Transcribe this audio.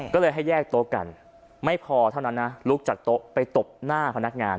ก็เลยให้แยกโต๊ะกันไม่พอเท่านั้นนะลุกจากโต๊ะไปตบหน้าพนักงาน